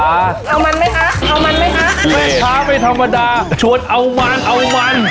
เอามันไหมคะเอามันไหมคะแม่ค้าไม่ธรรมดาชวนเอามันเอามัน